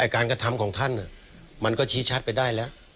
การกระทำของท่านมันก็ชี้ชัดไปได้แล้ว